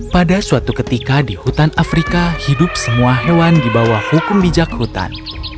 pada suatu ketika di hutan afrika hidup semua hewan di bawah hukum bijak hutan